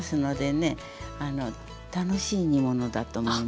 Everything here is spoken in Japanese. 楽しい煮物だと思います。